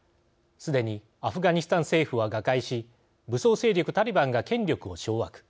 すでにアフガニスタン政府は瓦解し武装勢力タリバンが権力を掌握。